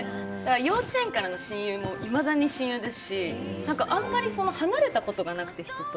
幼稚園からの親友もいまだに親友ですしあんまり人と離れたことがなくて。